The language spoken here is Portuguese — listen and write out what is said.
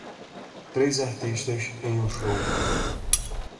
Três artistas em um show.